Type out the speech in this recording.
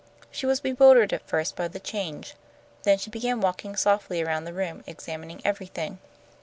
She was bewildered at first by the change. Then she began walking softly around the room, examining everything.